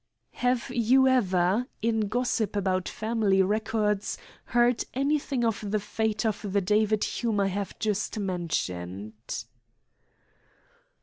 "Have you ever, in gossip about family records, heard anything of the fate of the David Hume I have just mentioned."